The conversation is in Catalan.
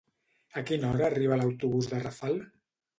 A quina hora arriba l'autobús de Rafal?